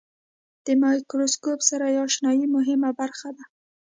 د مایکروسکوپ سره آشنایي مهمه برخه ده.